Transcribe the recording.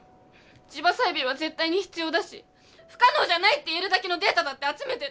地場採苗は絶対に必要だし不可能じゃないって言えるだけのデータだって集めてる。